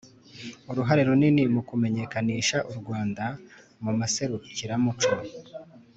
uruhare runini mu kumenyekanisha u rwanda mu maserukiramuco